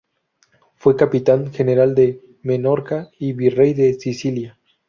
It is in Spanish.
Fue Capitán General de Menorca y Virrey de Sicilia.